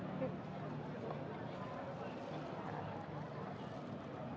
makanya diatasnya juga